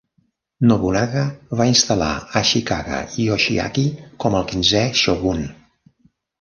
Nobunaga va instal·lar Ashikaga Yoshiaki com el quinzè shogun.